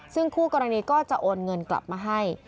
ซึ่งคู่กรณีก็จะโอนเงินกลับมาให้